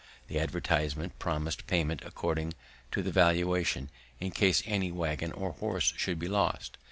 The advertisement promised payment according to the valuation, in case any waggon or horse should be lost.